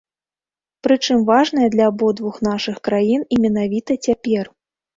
Прычым, важнае для абодвух нашых краін і менавіта цяпер.